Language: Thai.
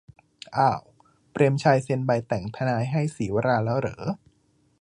"อ่าว เปรมชัยเซ็นใบแต่งทนายให้ศรีวราห์แล้วหรอ"